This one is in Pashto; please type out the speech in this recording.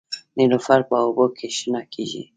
نیلوفر په اوبو کې شنه کیږي